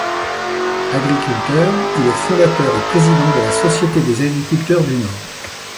Agriculteur, il est fondateur et président de la société des agriculteurs du Nord.